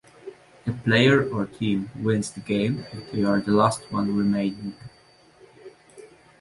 A player or team wins the game if they are the last one remaining.